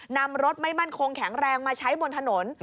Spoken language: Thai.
นำรถไม่มั่นคงแข็งแรงมาใช้บนถนน